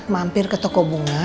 mampir ke toko bunga